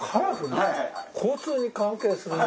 交通に関係するもの？